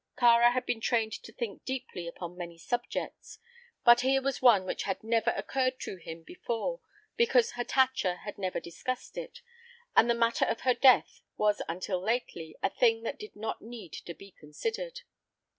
Kāra had been trained to think deeply upon many subjects, but here was one which had never occurred to him before because Hatatcha had never discussed it, and the matter of her death was until lately a thing that did not need to be considered.